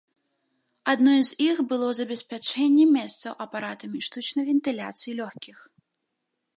Адной з іх было забеспячэнне месцаў апаратамі штучнай вентыляцыі лёгкіх.